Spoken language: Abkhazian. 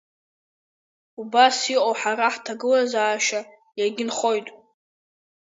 Убас иҟоуп ҳара ҳҭагылазаашьа, иагьынхоит.